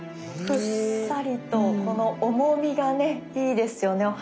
ふっさりとこの重みがねいいですよね